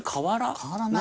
変わらない。